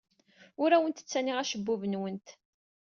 Ur awent-ttaniɣ acebbub-nwent.